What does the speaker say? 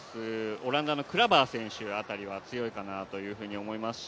オランダのクラバー選手辺りは強いかなというふうに思いますし